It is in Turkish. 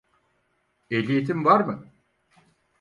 Ehliyetin var mı?